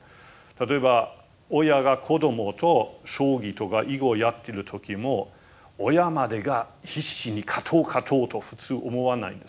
例えば親が子供と将棋とか囲碁やってる時も親までが必死に勝とう勝とうと普通思わないんですね。